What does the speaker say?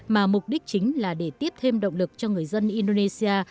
mà mục đích chính là để tiếp thêm động lực cho người dân indonesia